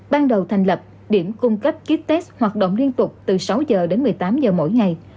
ban đầu thành lập điểm cung cấp kiếp test hoạt động liên tục từ sáu h đến một mươi tám h mỗi ngày